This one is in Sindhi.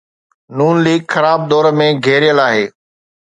نون ليگ خراب دور ۾ گهيريل آهي.